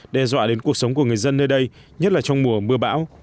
đe dọa đến cuộc sống của người dân nơi đây nhất là trong mùa mưa bão